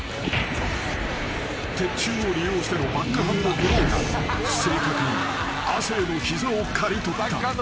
［鉄柱を利用してのバックハンドブローが正確に亜生の膝を刈り取った］